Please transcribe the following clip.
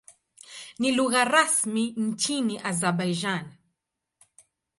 Ni lugha rasmi nchini Azerbaijan.